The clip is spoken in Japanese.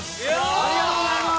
ありがとうございます！